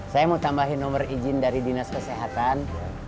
saya mau tambahin nomor izin dari dinas kesehatan